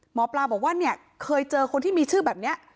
หมอปลาบอกว่าเนี่ยเคยเจอคนที่มีชื่อแบบนี้